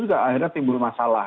juga akhirnya timbul masalah